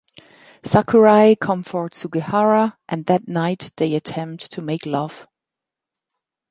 Sakurai comforts Sugihara, and that night they attempt to make love.